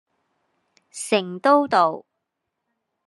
成都道